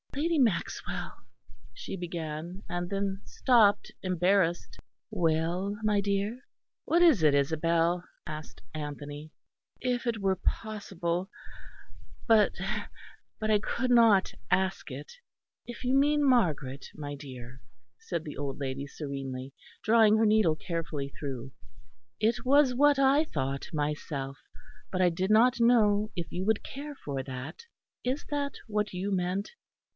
"Lady Maxwell " she began, and then stopped, embarrassed. "Well, my dear?" "What is it, Isabel?" asked Anthony. "If it were possible but, but I could not ask it." "If you mean Margaret, my dear"; said the old lady serenely, drawing her needle carefully through, "it was what I thought myself; but I did not know if you would care for that. Is that what you meant?"